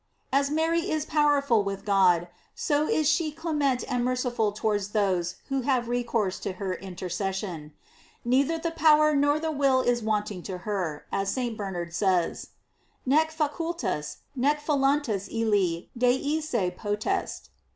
As Mary is powerful with God, so is she clement and merciful towards those who have recourse to her intercession. Neither the power nor the will is wanting to her, as St. Bernard says: "Nee facultas, nee voluntas illi deesse potest."